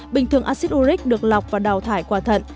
bình thường acid uric được lọc và đào thải qua thận